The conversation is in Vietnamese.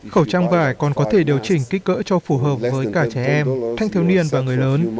khẩu trang vải còn có thể điều chỉnh kích cỡ cho phù hợp với cả trẻ em thanh thiếu niên và người lớn